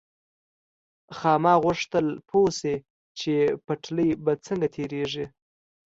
خاما غوښتل پوه شي چې پټلۍ به څنګه تېرېږي.